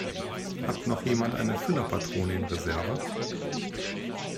Hat noch jemand eine Füllerpatrone in Reserve?